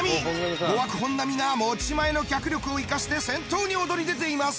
５枠本並が持ち前の脚力を生かして先頭に躍り出ています。